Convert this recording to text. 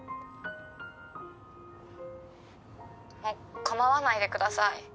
もう構わないでください。